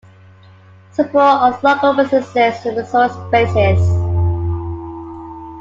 Support of local businesses and resource bases.